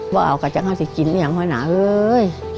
ว่าลองกระจางทั้งเจ้าและกินอย่างหวนหาเลย